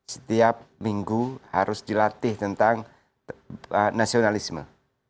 setiap minggu harus dilatih tentang nasionalisme